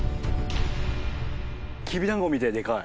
きびだんごみたいにでかい。